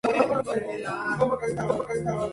El presidente del Gobierno actual es Xavier Espot Zamora.